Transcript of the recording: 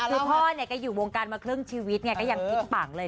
คือพ่อก็อยู่วงการมาครึ่งชีวิตแมญักับยังมิกฤ่งเลย